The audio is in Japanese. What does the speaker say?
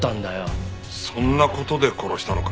そんな事で殺したのか？